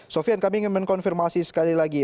sofian kami ingin mengkonfirmasi sekali lagi